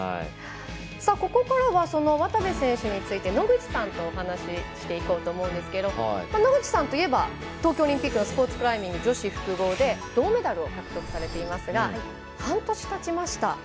ここからはその渡部選手について野口さんとお話ししていこうと思うんですが野口さんといえば東京オリンピックのスポーツクライミング女子複合で銅メダルを獲得されていますが半年たちました。